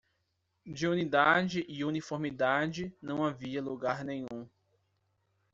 De unidade e uniformidade, não havia lugar nenhum.